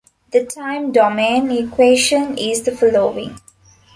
The time-domain equation is the following.